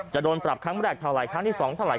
จะโดนปรับครั้งแรกเท่าไหร่ครั้งที่๒เท่าไห